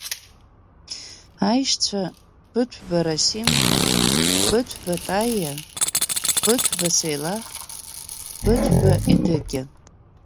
Аишьцәа Быҭәба Расым, Быҭәба Таииа, Быҭәба Сеилаҳ, Быҭәба Едыгьа.